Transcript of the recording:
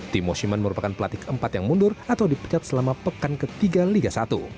timo siman merupakan pelatih keempat yang mundur atau dipecat selama pekan ketiga liga satu